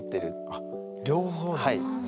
あっ両方だ。